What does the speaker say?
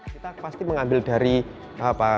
kita pasti mengambil dari apa